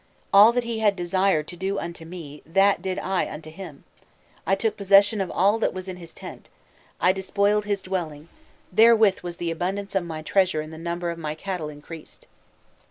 All that he had desired to do unto me that did I unto him; I took possession of all that was in his tent, I despoiled his dwelling; therewith was the abundance of my treasure and the number of my cattle increased."